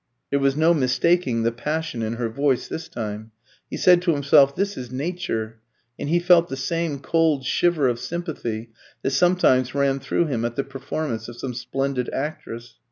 There was no mistaking the passion in her voice this time. He said to himself, "This is nature," and he felt the same cold shiver of sympathy that sometimes ran through him at the performance of some splendid actress.